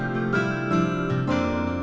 aksara rewel gak